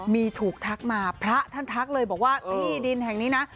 มีถูกทักมาพระท่านทักเลยบอกว่าที่ดินแห่งนี้นะ